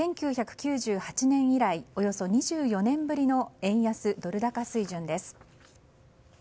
１９９８年以来およそ２４年ぶりの円安ドル高水準です。